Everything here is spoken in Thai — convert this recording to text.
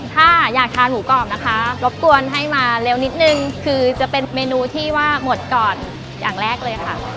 ถ้าอยากทานหมูกรอบนะคะรบกวนให้มาเร็วนิดนึงคือจะเป็นเมนูที่ว่าหมดก่อนอย่างแรกเลยค่ะ